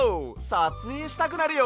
さつえいしたくなるよ！